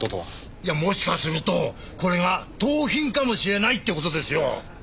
いやもしかするとこれが盗品かもしれないって事ですよ。